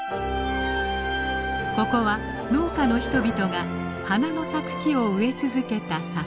ここは農家の人々が花の咲く木を植え続けた里。